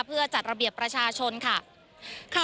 เพื่อจัดระเบียบประชาชนค่ะ